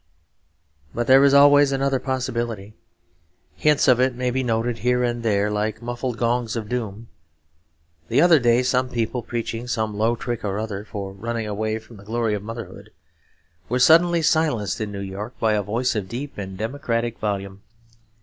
But there is always another possibility. Hints of it may be noted here and there like muffled gongs of doom. The other day some people preaching some low trick or other, for running away from the glory of motherhood, were suddenly silenced in New York; by a voice of deep and democratic volume.